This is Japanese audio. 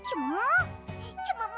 きゅもも！？